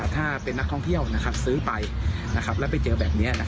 ถ้าเป็นนักท่องเที่ยวซื้อไปแล้วไปเจอแบบนี้